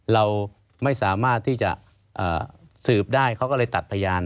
เราไม่สามารถที่จะสืบได้เขาก็เลยตัดพยาน